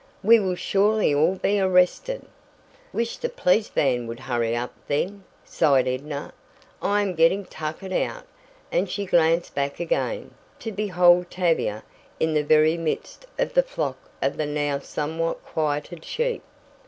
"We will surely all be arrested!" "Wish the police van would hurry up, then," sighed Edna, "I am getting tuckered out," and she glanced back again, to behold Tavia in the very midst of the flock of the now somewhat quieted sheep.